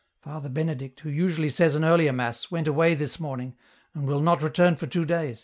Father Benedict, who usually says an earlier mass, went away this morning and will not return for two days.